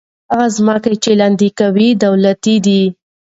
هغه ځمکې چې لاندې کوي، دولتي دي.